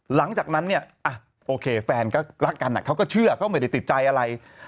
หลังจากนั้นเนี่ยโอเคแฟนก็รักกันเขาก็เชื่อก็ไม่ได้ติดใจอะไร